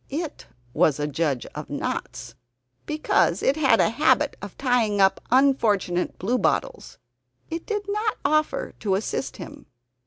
It was a judge of knots because it had a habit of tying up unfortunate bluebottles. It did not offer to assist him.